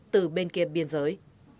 từ bên kia biên giới